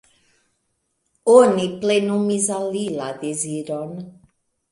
Oni plenumis al li la deziron.